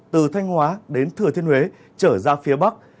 từ thanh hóa đến thừa thiên huế trở ra phía bắc